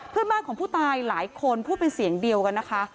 เพื่อนบ้านของผู้ตายหลายคนพูดเป็นเสียงเดียวกันนะคะ